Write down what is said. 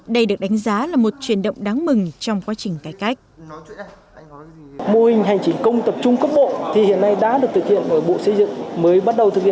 đây được đánh giá là một chuyển động đáng mừng trong quá trình cải cách